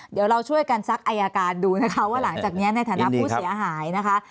เดี๋ยวเราช่วยกันซักอายการดูนะคะว่าหลังจากนี้ในฐานะผู้เสียหายนะคะ